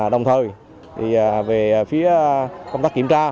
đồng thời về phía công tác kiểm tra